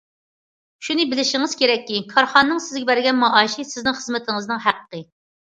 شۇنى بىلىشىڭىز كېرەككى، كارخانىنىڭ سىزگە بەرگەن مائاشى سىزنىڭ خىزمىتىڭىزنىڭ ھەققى.